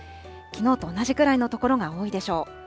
きのうと同じくらいの所が多いでしょう。